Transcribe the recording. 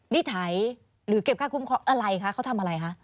นิถัยหรือเก็บค่าคุ้มครองอะไรคะเขาทำอะไรคะ